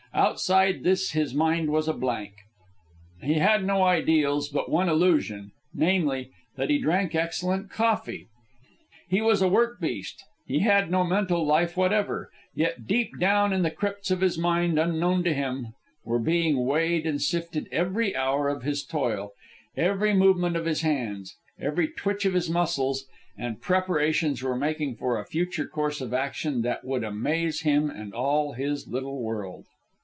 Outside this his mind was a blank. He had no ideals, and but one illusion; namely, that he drank excellent coffee. He was a work beast. He had no mental life whatever; yet deep down in the crypts of his mind, unknown to him, were being weighed and sifted every hour of his toil, every movement of his hands, every twitch of his muscles, and preparations were making for a future course of action that would amaze him and all his little world.